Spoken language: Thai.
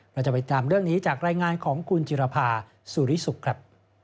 เราจะไปตามเรื่องนี้จากรายงานของคุณจิรภาสุริสุขครับ